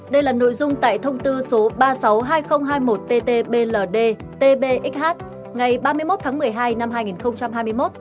đây là nội dung tại thông tư số ba trăm sáu mươi hai nghìn hai mươi một tt bld tbxh ngày ba mươi một tháng một mươi hai năm hai nghìn hai mươi một